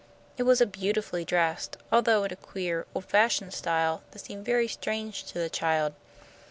It was beautifully dressed, although in a queer, old fashioned style that seemed very strange to the child.